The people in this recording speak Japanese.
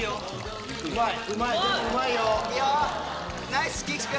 ナイス岸君！